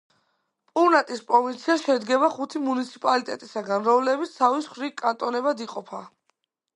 პუნატის პროვინცია შედგება ხუთი მუნიციპალიტეტისაგან, რომლებიც თავის მხრივ კანტონებად იყოფა.